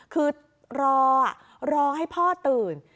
คือรอรอให้พ่อตื่น